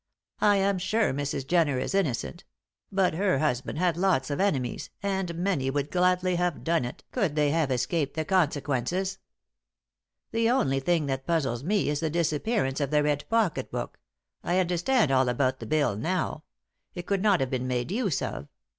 I am sure Mrs. Jenner is innocent; but her husband had lots of enemies, and many would gladly have done it, could they have escaped the consequences. The only thing that puzzles me is the disappearance of the red pocket bock. I understand all about the bill now; it could not have been made use of.